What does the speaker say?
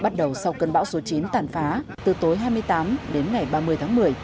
bắt đầu sau cơn bão số chín tàn phá từ tối hai mươi tám đến ngày ba mươi tháng một mươi